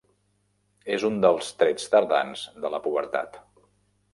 És un dels trets tardans de la pubertat.